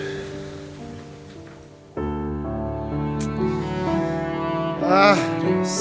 sampai jumpa lagi